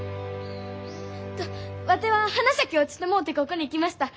えっとワテは花咲落ちてもうてここに来ました。